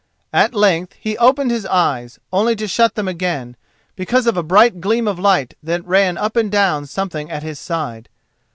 At length he opened his eyes, only to shut them again, because of a bright gleam of light that ran up and down something at his side.